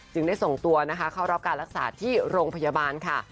ได้ส่งตัวนะคะเข้ารับการรักษาที่โรงพยาบาลค่ะ